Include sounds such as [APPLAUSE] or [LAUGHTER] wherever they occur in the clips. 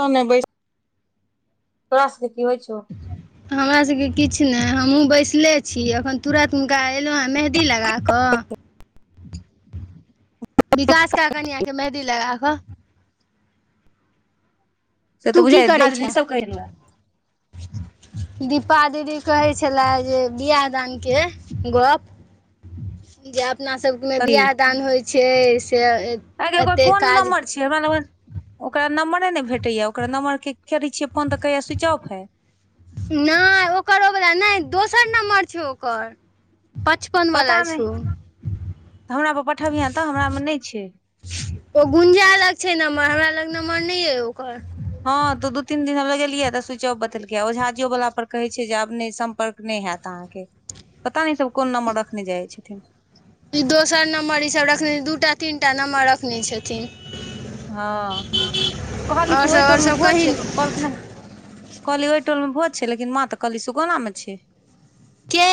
त बैस [UNINTELLIGIBLE] तोरास की होइ छौ हमरा सभके किछ नहि हमहुँ बैसले छी अखन तुरत हुनका एलहुँ हँ मे दी लगा कऽ विकास क कनिया मेंहदी लगा कऽ से तू तऽ की बुझाइ करै दादी सब कहै छलै छेंए दीपा दीदी कहै छले जे बियाह दानके गप्प जे अपनासभमे कथी बियाह दान होय छै से आगे ओकर एतेक कोन काज नम्बर हमरा ओकरा नम्बरे नहि भेटैए ओकरा नम्बर के करै छियै फोन तऽ कहैया स्विच ऑफ है नहि ओकर ओवला नहि दोसर नम्बर छै ओकर पचपन पता वला नहि छौ हमरापर पठबिहं तऽ हमरामे नहि छै ओ गुंजा लग छै नम्बर हमरा लग नम्बर नहि य ओकर हँ तऽ दू तीन दिन हम लगेलियै तऽ स्विच ऑफ बतेलकै आ ओ झाजियो वला पर कहै छै जे आब नहि सम्पर्क नहि हेयत अहाँके पता नहि इ सब कोन नम्बर रखने जाय छथिन ई दोसर नम्बर ईसभ रखने दू टा तीन टा नम्बर रखने छथिन हँ कहली आओर तू सब ओहि आओर टोल मे सब भोज कही ने कहलखिन हँ कहली ओहि टोल मे भोज छै लेकिन माँ तऽ कहली सुगौना म छै के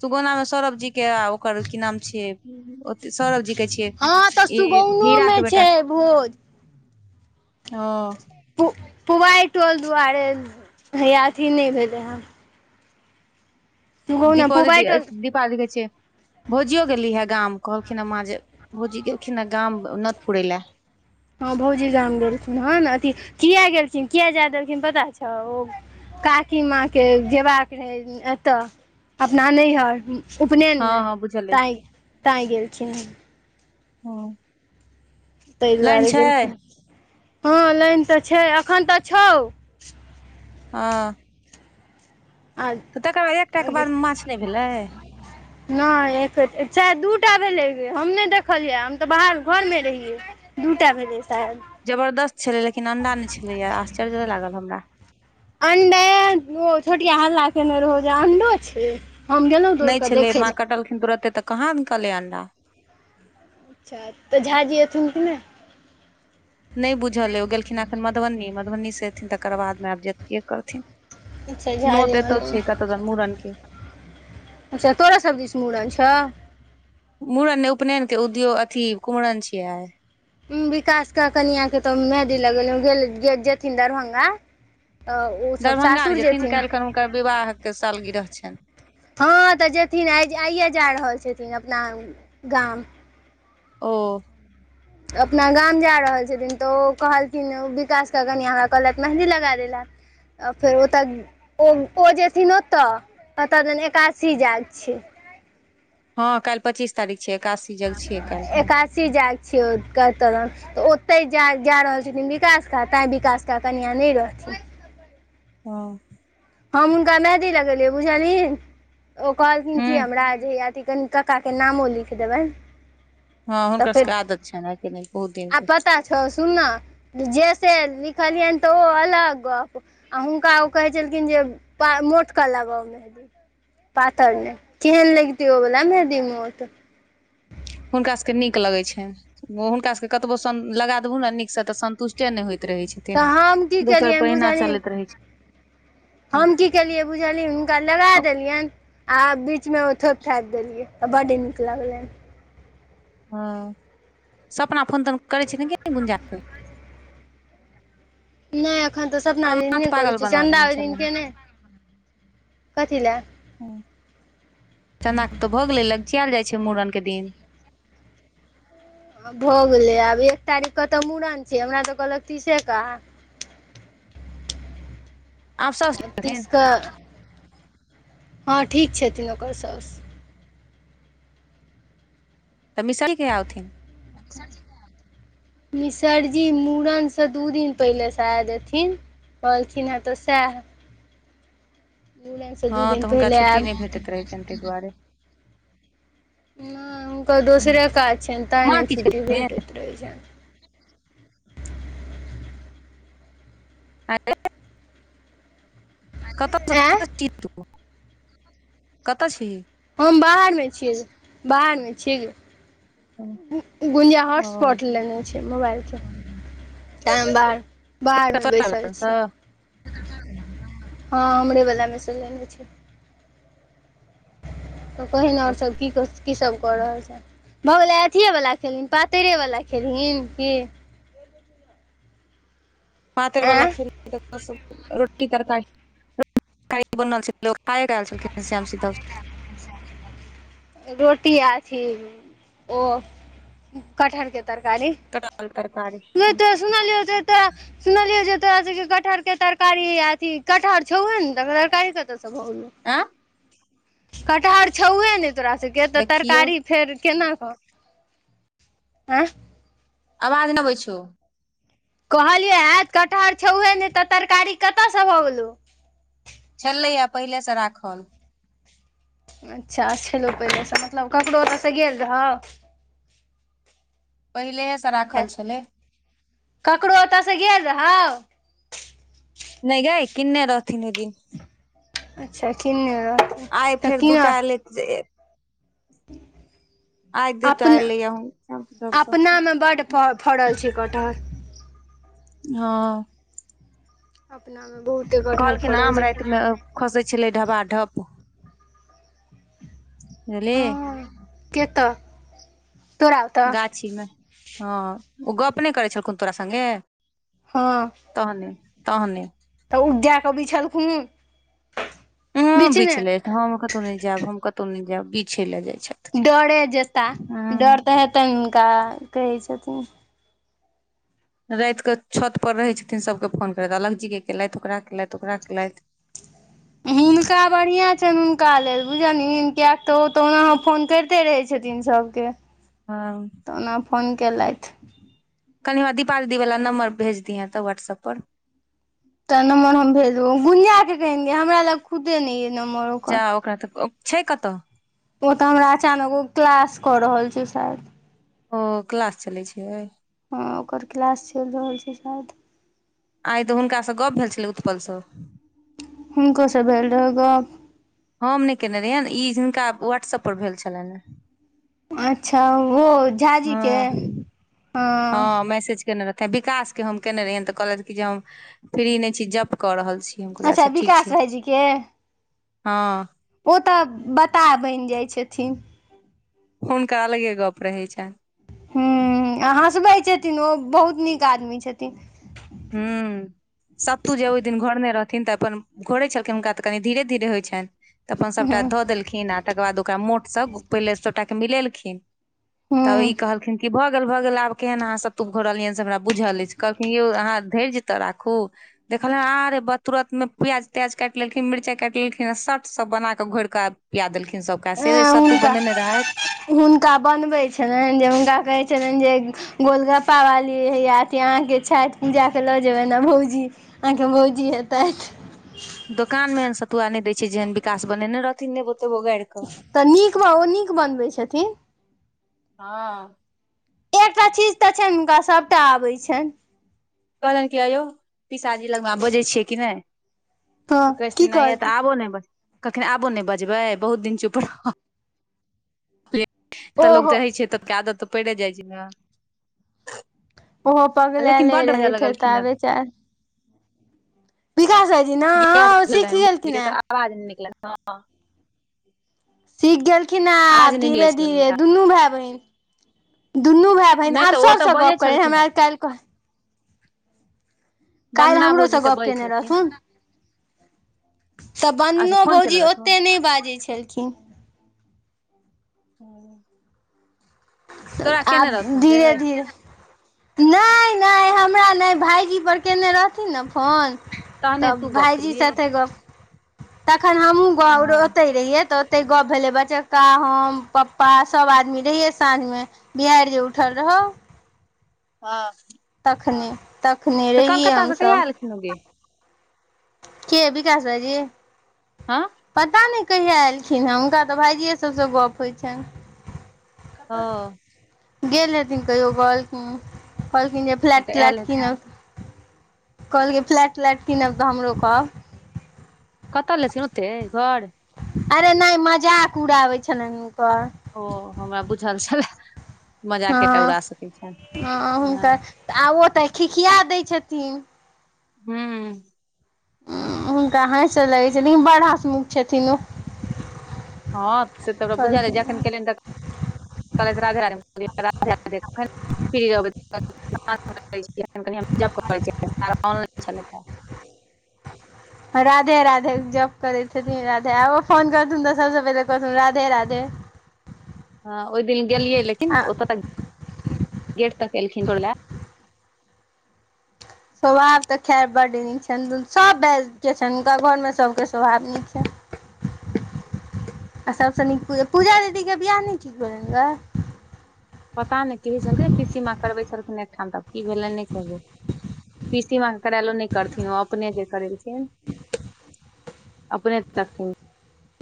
सुगौना मे सौरभ जी के ओकर की नाम छियै सौरव जी कहै छियै हँ तऽ ई सुगौनो हीरा मे के बेटा छै भोज हँ पु पुबारि टोल दुआरे हैया अथी नहि भेलै हँ दीपो पुबाइ दिदि टोल दीपा दि कहै छियै भौजियो गेली ह गाम कहलखिन ह माँ जे भौजी गेलखिन ह गाम नत पुरे ले हँ भौजी गाम गेलखिन हँ न अथी किया गेलखिन किया जाय देलखिन पता छौ ओ काकी माँके जेयबाक रहै एतऽ अपना नैहर हँ उपनयनमे हँ बुझल अइ तांय ताँय गेलखिन हँ तहि दुआरे गेलखिन हँ लाइन तऽ छै अखन तऽ छौ हँ तऽ तकर बाद एकटाके बाद माछ नहि भेलै ह नहि एक चाय दूटा भेलै हम नहि देखलियै हम तऽ बाहर घरमे रहियै दू टा भेलै शायद जबरदस्त छलै लेकिन अंडा नहि छलैए आश्चर्य लागल हमरा अंडे ओ छोटिया हल्ला केने रहौ जे अंडो छै हम गेलहुँ दौड़ नहि कऽ छलै देखै माँ लए कटलखिन तुरते तऽ कहाँ निकलय अंडा अच्छा तऽ झा जी अथुन कि नहि नहि बुझल अ ओ गेलखिन एखन मधुबनी मधुबनीसँ एयथिन तकर बादमे आब जेथिन चाहे जे करथिन अच्छा झा न जी तऽ एतऽ एलखिन छै कत दन मूड़न के अच्छा तोहरो सबदीस मूड़न छौ मुड़न नहि उपनयने उद्योग अथि कुम्हरनछै आय विकास क कनिया के तऽ मेंहदी लगेलियौ जेथिन दरभंगा तऽ ओ सब दरभंगा नहि सासुर जेथिन काल्हिखन हुनकर विवाहके सालगिरह छनि हँ तऽ जेथिन आय आयए जा रहल छथिन अपना गाम ओ अपना गाम जा रहल छथिन तऽ ओ कहलखिन विकासकेऽ कनि हमरा कहलथि मेहन्दी लगा दैल फेर ओतऽ ओ ओ जेथिन ओतऽ ओतऽ दन एकादसी जाग छै हँ काल्हि पच्चीस तारीख छियै एकादसी जग छियै काल्हि कऽ सी जाग छियै कत तऽ ओतहि जा जा रहल छथिन विकास क तैँ विकास कऽ कनिआँ नहि रहथिन हँ हम हुनका मेहंदी लगेलियै बुझलनि ओ कहलखिन कि हूँ हमरा जे अथि कनि काका के नामो लिख देबैन हँ हुनकर सबके आदत छनि कि नहि बहुत दिन के छओ सुनना जेसे लिखलियन तऽ ओ अलग गप आ हुनका ओ कहै छै लेकिन जे मोटक लगाव मेहेदी पातरी मे केहन लगितै ओबला मेहदी मोट हुनका सभके नीक लगैत छनि ओ हुनका सभके कतबो लगा देहू न नीकसँ तऽ संन्तुष्टे नहि होइत रहैत तऽ छै हम की दोसर केलियनि पह अहिना बुझलिही चलैत रहै छै हम की केलियै बुझलिय हुनका लगा देलियन आ बीच मे ओ थोप थाप देलियै त बड नीक लगले हँ सपना फोन तौन करै छ ने किए नहि गुंजा नहि अखन तऽ सतना हमरा दिन माथ नहि करै पागल छै बना चन्दा देने ओहि दिन छलै केने कथी लए चना के तऽ भऽ गेले लगचियाल जाइ छै मुड़न के दिन भऽ गेलै आब एक तारीखक तऽ मूड़न छै हमरा तऽ कहलक तीसे क आब साउस थिन तीसक हँ ठीक छथिन ओकर सौस तऽ मिशाल कहिया आउथि अकसर जिला [UNINTELLIGIBLE] मिसरजी मूड़नसँ दू दिन पहिलेसँ सांद देथिन कलथिन है तऽ सेहै हँ दू दिन तऽ हुनका पहिले छुट्टी आयब नहि भेटैत रहैत छनि तहि दुआरे नहि हुनकर दोसरे काज छियनि तै माँ नहि की छुट्टी छथिन भेटैत रहैत छनि अ [UNINTELLIGIBLE] कतऽ आँय छी कतऽ छी हम बाहर मे छियै बाहर मे छीयै गै गुंजिया ओ होटस्पॉट लेने छै मोबाइल केम बा बाहरमे बैसल छै हँ हमरे बलामे स लेने छै त कहिन और सब की कर की सब कऽ रहल छै भऽ गेलै अथिएवला खेलहिन पातरिेवला खेलहिन की पातर बला आँ खेल रोटी तरकारि ख बनल खाए ख छलखिन श्याम सी [UNINTELLIGIBLE] [UNINTELLIGIBLE] रोटी आ अथी ओ कटहर के तरकारी तऽल तरकारी यै तोरा सुनलियौ जे तोरा सुनलियौ जे तोरा सबके कटहर के तरकारी अथी कटहर छौउहे नै त तरकारी कतयसँ भऽ गेलै आँ कटहर छौहे नै तोरा सब के तऽ देखियौ तरकारी फेर केना कऽ आँ आवाज नहि अबै छौ कहलियै कटहर छौहे ने तऽ तरकारी कतयसँ भलौ छलै या पहिलेसँ राखल अच्छा छललौ पहिलेसँ मतलब ककरो ओतऽसँ गेल रहौ पहिलेहेसँ राखल छलै ककरो ओतऽसँ गेल रहउ नहि गाइ किने रहथिन ओय दिन अच्छा किने रहथिन तऽ कि जे आइ दूटा अपना एलैए हुनकासँ अपना में बड फऽ फड़ल छै कटहर हँ अपना मे बहुते कठर कहलखिन फड़ल आम छै रातिमे खसै छलै ढबा ढप अले केतऽ गाछीमे हँ ओ गप्प नहि करै छलखुन तोरा सङ्गे हँ तहने तहने तऽ ई जाय क बिछलखुन उ बीच मे बिछ ले हम कतहु नहि जायब हम कतहु न नहि जायब बिछे ले जाय छै डरे जेताह डर तऽ हेतनि हुनका कहै छथिन राति केऽ छत पर रहै छथिन सबके फोन करैत अलग जी के केलथि ओकरा केलथि ओकरा केलथि हुनका बढ़िआँ छनि हुनका लेल बुझलनि कियैक तऽ ओ तऽ ओना फोन करिते रहै छथिन सभ त हँ कनि हमरा दीपा दीदी वला नंबर भेज दिहँ तऽ व्ट्सअप पर तऽ नम्बर हम भेज गुनिया के कहन हमरा लग खुदे नहि ये नम्बर जा ओकर ओकरा तऽ छै कतऽ ओतऽ हमरा अचानक ओ क्लास कर रहल छै शायद ओ क्लास चलै छै हँ ओकर क्लास चलि रहल छै शायद आई तऽ हुनकासँ गप भेल छलै उत्पलसँ हुनको सँ भेल रहै गप हम नहि केयने रहियै ई हिनका व्हाट्सऐप पर भेल छलनि ह अच्छा ओहो झाजी हँ केँ हँ केने रहथि विकास के हम केने रहियें ते कहल क जे हम फ्री न छी जॉब क रहल छी हम कहलियै अच्छा ठीक विकास छै भायजी केँ हँ ओ तऽ बताह बनि जाइत छथिन हुनका अलगे गप रहै छनि ह आ हँसबै छथिन ओ बहुत नीक आदमी छथिन हूँ सत्तू जे ओहि दिन घोरने रहथिन तऽ अपन घोरे छलखिन हुनका तऽ कनि धीरे धीरे होइत छनि तऽ अपन सभटा हूँ धऽ देलखिन आ तकर बाद ओकरा मोटसँ पहिले सभटाके मिलेलखिन तऽ ई हूँ कहलखिन कि भऽ अगल भ गेल आब केहन अहाँ सत्तूप घोरलियनि से हमरा बुझल अछि कहलखिन यौ अहाँ धैर्यज ते राखू देखलनि आरे ब तुरत मे प्याज त्याज काटि लेलखिन मिरचाई काटि लेलखिन सट सभ बना कऽ घोरि कऽ आब पिया देलखिन सभका से रे सत्तू हुनका बनेने रहथि हुनका बनबैत छलनि जे हुनका कहैत छलनि जे गोलगप्पावाली ह अथी अहाँके छठि पूजाके लऽ जेयबै ने भौजी अहाँके भौजी हेतथि दोकान मे एहन सतुआ नहि दय छै जेहन विकास बनेने रहथिन नेबो तेबो गार तऽ नीक ब ओ नीक बनबैत छथिन हँ एकटा चीज तऽ छनि हुनका सभटा आबै छनि कहलनि क य यौ पिसाजी लगमे बजै छियै कि नहि हँ तऽ कहै की छथिन नहि तऽ कहलकै आबो नहि ब कखन आबो नहि बजबै बहुत दिन चुप एतऽ लोक ओहो त रहै छै तके आदत तऽ पड़े जाइ छै ने ओहो पग ले लेकिन ले बड्ड बाजऽ रहे हे तऽ लगलखिन हँ बेचार विकास भायजी ना आ सीखि गेलखिन है आबाज निकलत हँ सीख गेलखिन हे आवाज आब नहि निकलै धीरे छलनि धीरे हुनका दुनू भाय बहिन दुनू भाय बहिन नहि आब तऽ ओ तऽ सबसँ बजै गप करै छलखिन हमरा हेँ काल्हि काल्हि वन्दना हमरोसँ भौजी तऽ गप बजै केने छलखिन रहथुन तऽ अच्छा बन्दनो फोन केने भौजी रहथुन ओते नहि बाजै छलखिन हूँ आब रहथुन से धीरे धीरे नहि नहि हमरा नहि भाइजी पर कयने रहथिन ने फोन तहने तब तू गप भायजी केलिही साथे गप तखन हमहुँ ग हँ ओते रहियै तऽ ते गप भेले बचक्का हम पप्पा सब आदमी रहियै साँझमे बिहारि जे उठल रहौ हँ तखने तखने रहियै हमसभ हँगे के विकास भायजी हँ पता नहि कहिया एलखिन हँ हुनका तऽ भायइजीे सबसँ गप होइत छनि हँ गेल रहथिन कहियो कहलखिन कहलखिन जे फ्लैट तऽ आयल तलैटखिन हेथिन कहलियै फ्लैट त्लैट कीनब तऽ हमरो कहब कतऽ ले छ ओते घर अरे नहि मजाक उड़ाबै छलनि हुनकर ओ हमरा बुझल छले हँ मजाकेटा उड़ा सकैत छ हँ तऽ आ ओ तऽ खिखिया दै छथिन हू हुनका हँस लगै छै लेकिन बड़ हसमुख छथिन ओ हँ से तऽ हमरा बुझा दे कहलखिन जखन केलनि त कहलति राधे राधे फ्री रहबै ऑला छलै राधे राधे जप करै छथिन राधे आो फोन करथुन तऽ सबसँ पहिले कहथुन राधे रधे [UNINTELLIGIBLE] हँ ओहि दिन गेलियै लेकिन ओतऽ तक गेट तक एलखिन छोड़ै ले स्वभाव तऽ खैर बड नीक छनि सभ बाजके छनि हुनका घरमे सभके स्वभाव नीक छनि [UNINTELLIGIBLE] [UNINTELLIGIBLE] आ सबसँ नीक पूजा दीदीके बियाह ठिक नहि भेलनि पता नहि कहै छलखिन पीसी माँ करबै छलखिन एकठाम तऽ की भेलै नहि कहै पी सीमा करेलो नहि करथिन ओ अपने जे करै अपने सँ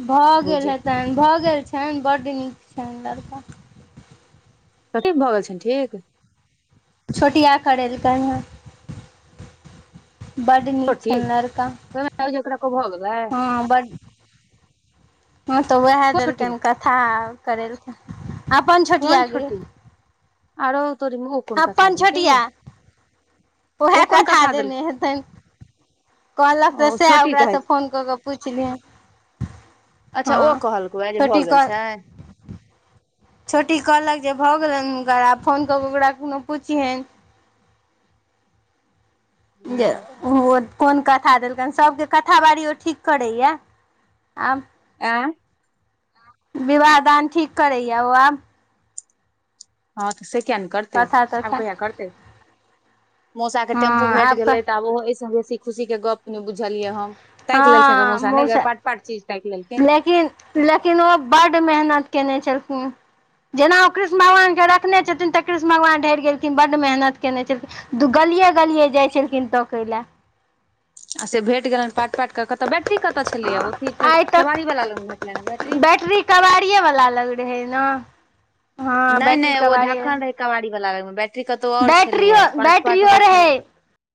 भऽ गेल हेतनि भऽ गेल छनि बड नीक छनि लड़का कठी भऽ गेल छै ठीक छोटिया करेलकनि हे बड नीक छोटी छनि लड़का ओकरा को भऽ गेलै हँ बड हँ तऽ वएह कोन छोटी देलकनि कथा करेलखिन अपन कोन छोटिया गे छोटी आरो तोरी म अपन छोटिया ओहे ओ कोन कथख कथा देने देलकै हेतनि कहलक तऽ ओ सएह छोटी कहै ओकरासँ छै फोन कऽ कऽ पुछलियहन अच्छा ओ कहलकौ आयंजे भऽ गेल कह छै छोटी कहलक जे भऽ गेलनि हुनकर आब फोन कऽ कऽ ओकरा कोनो पुछिहन जे ह ओन कोन कथा देलकनि सभके कथा बारी ओ ठीक करैया आब आँ विवाह दान ठीक करैया ओ आब हँ तऽ से किया नै करतै कथा आब तथा कहिय करतै मोसा के टेम्पू भेट गेलै तऽ आब ओहो एहिसँ बेसी खुशी के गप नहि बुझलियै हम ताक लेलखिन हँ मोसा नय गै मौसा पाट पाट चीज ताकि लेलखिन लेकिन लेकिन ओ बड मेहनत केने चलखीन जेना ओ कृष्ण भगवान के रखने छथिन तऽ कृष्ण भगवान ढरि गेलखिन बड मेहनत केयने छलखिन दू गलि गलि जाइ छलखिन तकै लए आ से भेट गेलनि पाट पाट कतय बैटरी कतय छलैए ओथी आइ केवारी वला लोग भेटलनि बैटरी कबाड़िए वाला लग रहै न हँ नहि बैटरीक नहि ओ कबाड़ि ढक्कन रहै कबाड़ी वला लाग मे बैटरी कतौ और छलैया पारट पारट बैटरियो ओकर खेले रहै